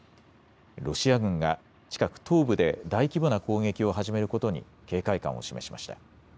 ロシア軍が近く東部で大規模な攻撃を始めることに警戒感を示しました。